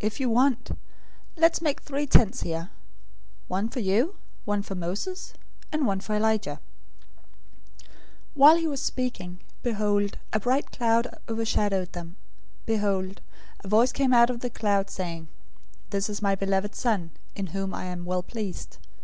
If you want, let's make three tents here: one for you, one for Moses, and one for Elijah." 017:005 While he was still speaking, behold, a bright cloud overshadowed them. Behold, a voice came out of the cloud, saying, "This is my beloved Son, in whom I am well pleased.